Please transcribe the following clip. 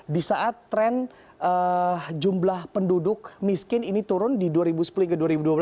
di saat tren jumlah penduduk miskin ini turun di dua ribu sepuluh ke dua ribu dua belas